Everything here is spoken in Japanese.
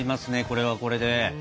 これはこれで。